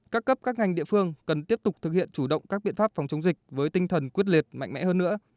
các cấp các ngành địa phương cần tiếp tục thực hiện chủ động các biện pháp phòng chống dịch với tinh thần quyết liệt mạnh mẽ hơn nữa